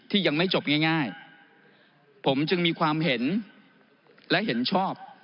ยังไม่จบง่ายผมจึงมีความเห็นและเห็นชอบ